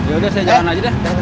ya udah saya jalan aja deh